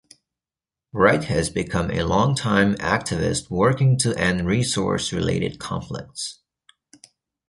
Wright has been a longtime activist working to end resource-related conflicts.